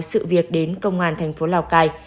sự việc đến công an thành phố lào cai